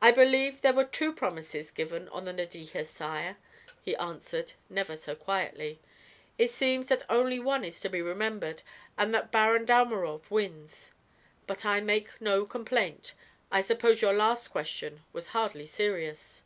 "I believed there were two promises given on the Nadeja, sire," he answered, never so quietly. "It seems that only one is to be remembered and that Baron Dalmorov wins. But I make no complaint; I suppose your last question was hardly serious."